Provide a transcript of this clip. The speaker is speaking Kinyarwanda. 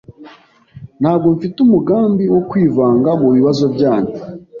Ntabwo mfite umugambi wo kwivanga mu bibazo byanyu.